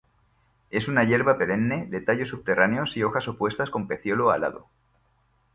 Es una hierba perenne, de tallos subterráneos y hojas opuestas con peciolo alado.